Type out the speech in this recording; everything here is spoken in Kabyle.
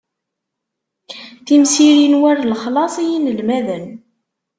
Timsirin war lexlaṣ i yinelmaden.